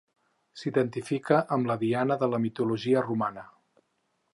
S'identifica amb la Diana de la mitologia romana.